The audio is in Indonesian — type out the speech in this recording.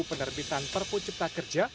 penerbitan perpucipta kerja